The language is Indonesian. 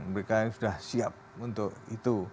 mereka sudah siap untuk itu